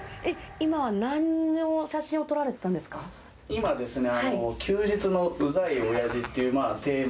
今ですね